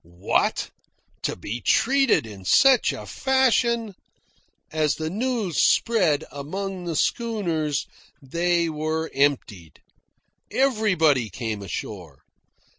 What! To be treated in such fashion! As the news spread among the schooners, they were emptied. Everybody came ashore.